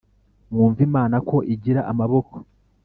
mwumve imana ko igira amaboko :